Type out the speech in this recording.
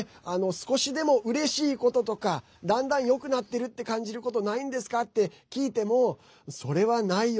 少しでも、うれしいこととかだんだん、よくなってるって感じることないんですか？って聞いても、それはないよ。